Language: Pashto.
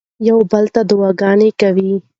یو بل ته دعاګانې کوئ.